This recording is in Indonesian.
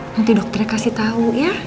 nanti dokter kasih tahu ya